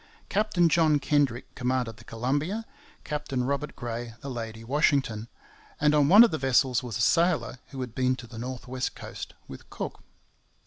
Captain John Kendrick commanded the Columbia, Captain Robert Gray the Lady Washington, and on one of the vessels was a sailor who had been to the North West coast with Cook.